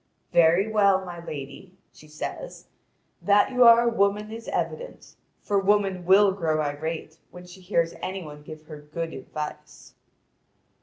"Very well, my lady," she says; "that you are a woman is evident, for woman will grow irate when she hears any one give her good advice."